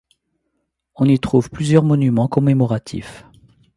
On y trouve plusieurs monuments commémoratifs.